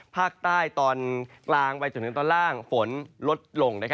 ภาคใต้ตอนกลางไปจนถึงตอนล่างฝนลดลง